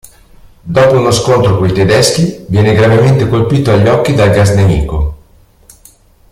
Dopo uno scontro coi tedeschi viene gravemente colpito agli occhi dal gas nemico.